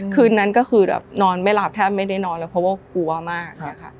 คืนนั้นก็คือแบบนอนไม่หลับแทบไม่ได้นอนแล้วเพราะว่ากลัวมาก